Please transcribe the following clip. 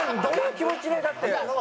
どういう気持ちでだって。